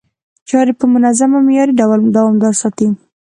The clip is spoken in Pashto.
چاري په منظم او معياري ډول دوامداره ساتي،